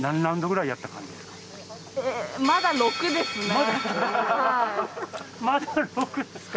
まだ６ですか。